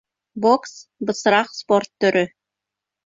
— Бокс — бысраҡ спорт төрө.